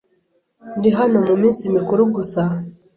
Ndi hano muminsi mikuru gusa.